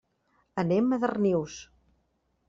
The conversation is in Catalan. Anem a Darnius.